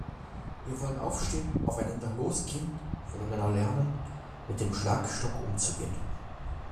Wir wollen aufstehen, aufeinander losgehen, voneinander lernen, mit dem Schlagstock umzugehen.